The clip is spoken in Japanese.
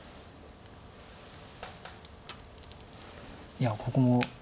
いやここも。